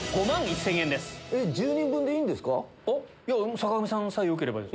坂上さんさえよければ。